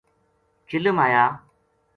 چلم آیا